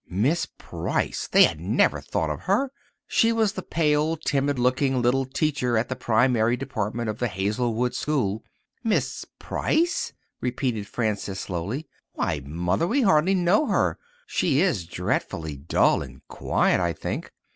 Miss Price! They had never thought of her! She was the pale, timid looking little teacher in the primary department of the Hazelwood school. "Miss Price?" repeated Frances slowly. "Why, Mother, we hardly know her. She is dreadfully dull and quiet, I think."